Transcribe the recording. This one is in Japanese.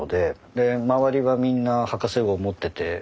で周りはみんな博士号持ってて。